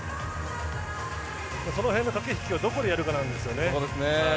その辺の駆け引きをどこでやるかなんですよね。